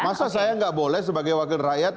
masa saya nggak boleh sebagai wakil rakyat